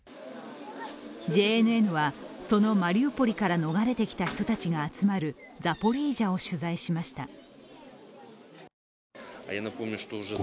ＪＮＮはそのマリウポリから逃れてきた人たちが集まるザポリージャを取材しました。